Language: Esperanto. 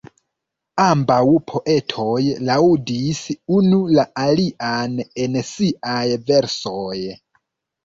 Ambaŭ poetoj laŭdis unu la alian en siaj versoj.